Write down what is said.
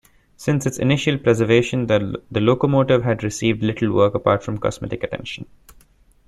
Since its initial preservation the locomotive had received little work apart from cosmetic attention.